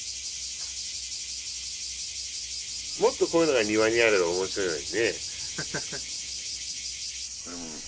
もっとこういうのが庭にあれば面白いのにね。